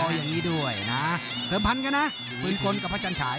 อย่างนี้ด้วยนะเสริมพันกันนะปืนคนกับพระจันฉาย